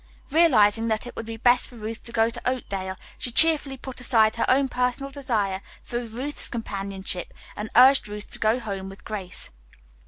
Realizing that it would be best for Ruth to go to Oakdale, she cheerfully put aside her own personal desire for Ruth's companionship and urged Ruth to go home with Grace.